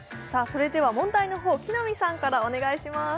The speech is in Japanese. それでは問題の方木南さんからお願いします